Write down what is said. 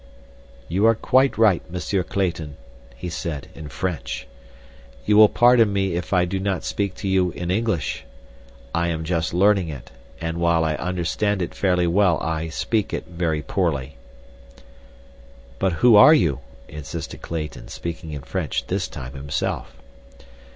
"You are quite right, Monsieur Clayton," he said, in French. "You will pardon me if I do not speak to you in English. I am just learning it, and while I understand it fairly well I speak it very poorly." "But who are you?" insisted Clayton, speaking in French this time himself.